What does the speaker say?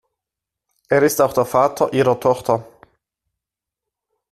Er ist auch der Vater ihrer Tochter.